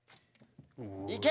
いけ！